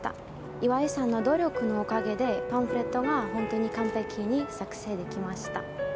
岩井さんの努力のおかげでパンフレットが本当に完璧に作成できました。